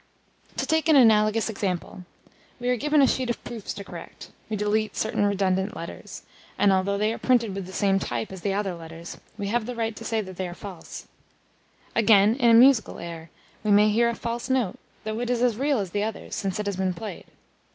To take an analogous example: we are given a sheet of proofs to correct, we delete certain redundant letters, and, although they are printed with the same type as the other letters, we have the right to say they are false. Again, in a musical air, we may hear a false note, though it is as real as the others, since it has been played.